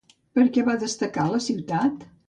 Per què va destacar la ciutat?